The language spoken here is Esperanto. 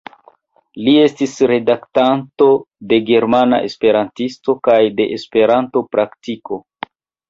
Li estis redaktanto de Germana Esperantisto kaj de Esperanto-Praktiko.